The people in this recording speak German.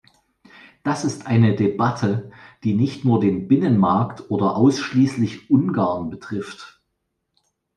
Das ist eine Debatte, die nicht nur den Binnenmarkt oder ausschließlich Ungarn betrifft.